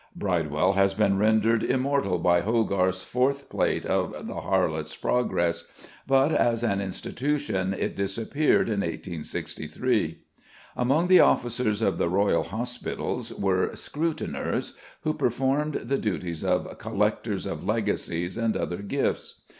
Bridewell has been rendered immortal by Hogarth's fourth plate of the "Harlot's Progress," but as an institution it disappeared in 1863. Among the officers of the Royal Hospitals were "scruteners," who performed the duties of "collectors" of legacies and other gifts.